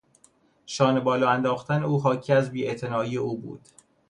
شانه بالا انداختن او حاکی از بیاعتنایی او بود.